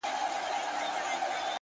ځوان په لوړ ږغ؛